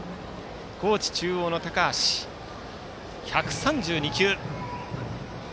高知中央の高橋は１３２球。